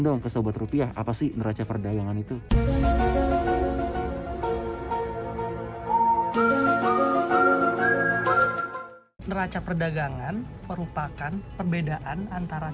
dong ke sobat rupiah apa sih neraca perdagangan itu neraca perdagangan merupakan perbedaan antara